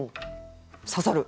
刺さる！